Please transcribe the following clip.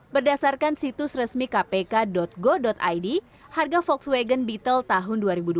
berdasarkan situs resmi kpk go id harga volkswagen beetle tahun dua ribu dua puluh